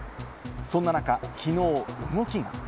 そんな中、きのう動きが。